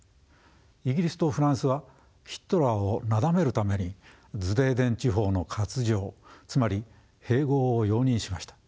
イギリスとフランスはヒトラーをなだめるためにズデーテン地方の割譲つまり併合を容認しました。